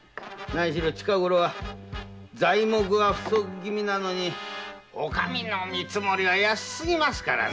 近ごろ材木は不足気味なのにお上の見積もりは安すぎますからねえ。